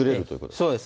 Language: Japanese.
そうです。